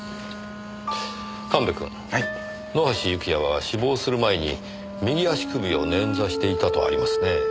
神戸くん野橋幸也は死亡する前に右足首を捻挫していたとありますね。